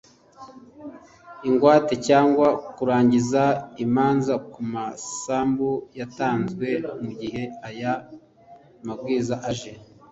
ingwate cyangwa kurangiza imanza ku masambu yatanzwe mu gihe Aya mabwiriza aje